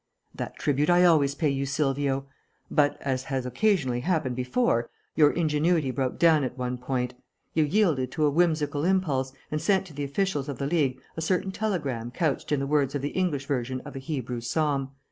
"That tribute I always pay you, Silvio. But, as has occasionally happened before, your ingenuity broke down at one point. You yielded to a whimsical impulse, and sent to the officials of the League a certain telegram couched in the words of the English version of a Hebrew psalm.